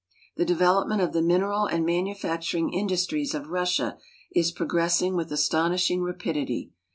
The development of the mineral and manufacturing industries of Russia is progressing with astonishijig rapidity.